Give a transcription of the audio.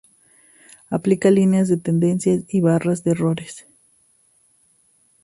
Aplica líneas de tendencia y barras de errores.